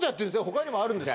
他にもあるんです